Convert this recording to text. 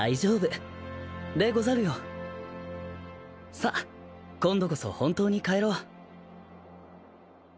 さっ今度こそ本当に帰ろう。